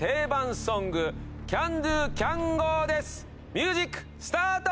ミュージックスタート！